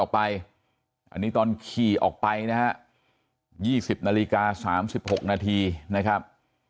อันนี้ตอนขี่ออกไปนะฮะ๒๐นาฬิกา๓๖นาทีนะครับ